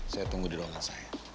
saya tunggu di ruangan saya